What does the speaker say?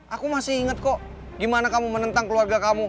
aku masih ingat kok gimana kamu menentang keluarga kamu